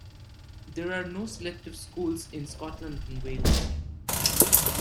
There are no selective schools in Scotland and Wales.